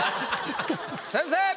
先生！